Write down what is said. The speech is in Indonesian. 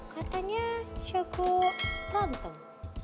katanya cukup berantem